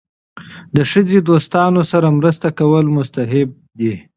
د ښځې دوستانو سره مرسته کول مستحب دي.